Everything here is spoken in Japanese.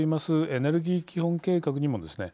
エネルギー基本計画にもですね